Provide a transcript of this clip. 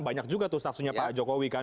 banyak juga tuh statusnya pak jokowi kan